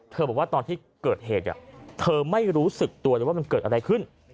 บอกว่าตอนที่เกิดเหตุเธอไม่รู้สึกตัวเลยว่ามันเกิดอะไรขึ้น